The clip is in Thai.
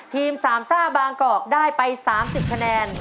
ทีมสามซ่าบางกอกได้ไป๓๐คะแนน